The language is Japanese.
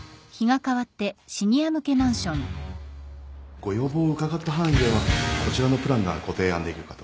ご要望を伺った範囲ではこちらのプランがご提案できるかと。